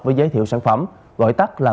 với giới thiệu sản phẩm gọi tắt là